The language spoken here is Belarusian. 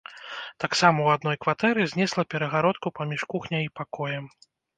Таксама ў адной кватэры знесла перагародку паміж кухняй і пакоем.